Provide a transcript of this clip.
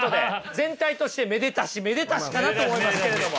全体としてめでたしめでたしかなと思いますけれども。